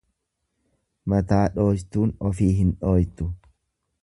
Mataa dhooytuun ofi hin dhooytu.